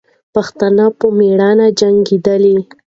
پښتانه په میړانه جنګېدل.